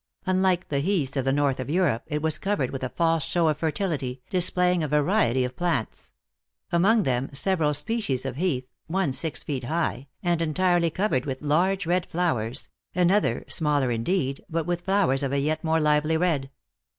Unlike the heaths of the north of Europe, it was covered with a false show of fertility, displaying a variety of plants ; among them several species of heath, one six feet high, and entirely covered with large red flowers, another, smaller indeed, but with flowers of a yet more lively red.